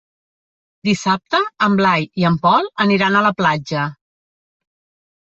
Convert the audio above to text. Dissabte en Blai i en Pol aniran a la platja.